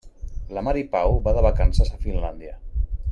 La Mari Pau va de vacances a Finlàndia.